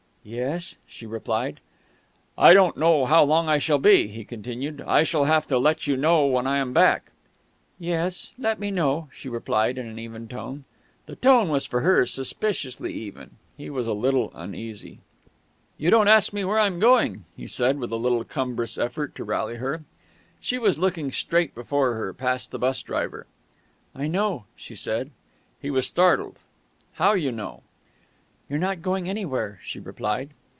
"Yes," she replied. "I don't quite know how long I shall be," he continued. "I shall have to let you know when I am back." "Yes, let me know," she replied in an even tone. The tone was, for her, suspiciously even. He was a little uneasy. "You don't ask me where I'm going," he said, with a little cumbrous effort to rally her. She was looking straight before her, past the bus driver. "I know," she said. He was startled. "How, you know?" "You're not going anywhere," she replied.